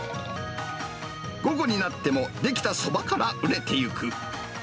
午後になっても出来たそばから売れていく。